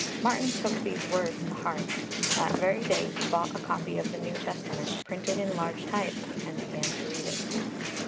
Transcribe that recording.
Martin took these words to heart. That very day he bought a copy of the New Testament, printed in large type, and began to read it.